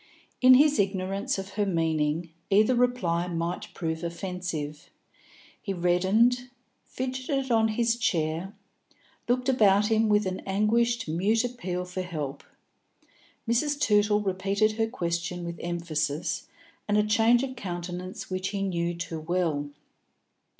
In his ignorance of her meaning, either reply might prove offensive. He reddened, fidgeted on his chair, looked about him with an anguished mute appeal for help. Mrs. Tootle repeated her question with emphasis and a change of countenance which he knew too well.